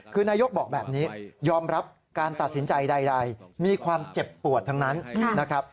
คือนายกบอกแบบนี้ยอมรับการตัดสินใจใดมีความเจ็บปวดทั้งนั้นนะครับ